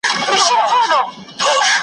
پر پچه وختی کشمیر یې ولیدی